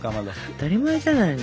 当たり前じゃないの。